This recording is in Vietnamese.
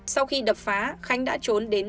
sau khi đập phá khánh đã trốn đến